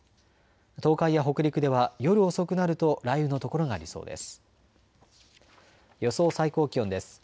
東海や北陸では夜遅くなると雷雨の所がありそうです。